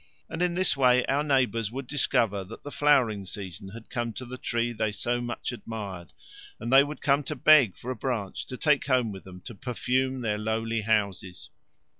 And in this way our neighbours would discover that the flowering season had come to the tree they so much admired, and they would come to beg for a branch to take home with them to perfume their lowly houses.